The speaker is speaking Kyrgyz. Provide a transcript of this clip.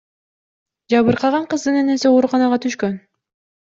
Жабыркаган кыздын энеси ооруканага түшкөн.